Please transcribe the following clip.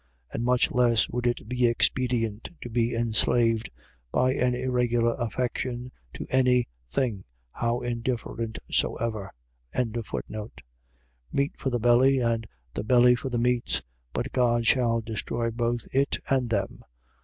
And much less would it be expedient to be enslaved by an irregular affection to any thing, how indifferent soever. 6:13. Meat for the belly and the belly for the meats: but God shall destroy both it and them.